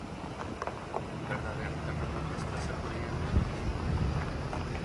un verdadero terremoto está sacudiendo la política